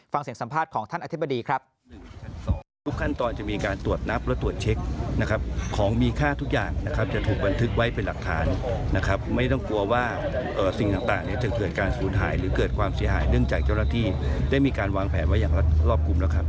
ฟังเสียงสัมภาษณ์ของท่านอธิบดีครับ